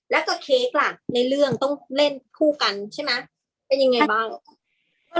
แล้วกับเค้กล่ะในเรื่องต้องเล่นคู่กันใช่ไหมเป็นยังไงบ้าง